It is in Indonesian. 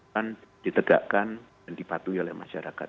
kan ditegakkan dan dipatuhi oleh masyarakat